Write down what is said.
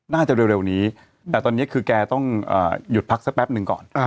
น่าจะเร็วนี้แต่ตอนนี้คือแกต้องหยุดพักสักแป๊บหนึ่งก่อน